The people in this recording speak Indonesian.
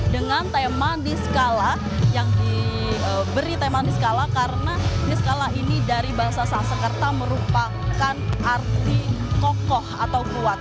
dengan tema di skala yang diberi teman di skala karena niskala ini dari bahasa sasekerta merupakan arti kokoh atau kuat